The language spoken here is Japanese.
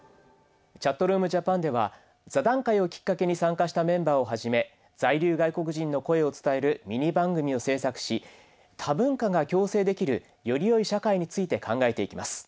「ＣｈａｔｒｏｏｍＪａｐａｎ」では座談会をきっかけに参加したメンバーをはじめ在留外国人の声を伝えるミニ番組を制作し多文化が共生できるよりよい社会について考えていきます。